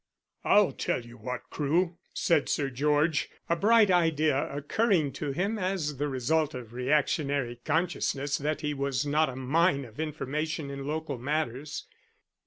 "I'll tell you what, Crewe," said Sir George, a bright idea occurring to him as the result of reactionary consciousness that he was not a mine of information in local matters.